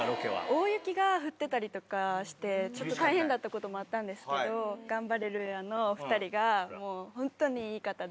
大雪が降ってたりとかしてちょっと大変だったこともあったんですけどガンバレルーヤのお二人がもう本当にいい方で。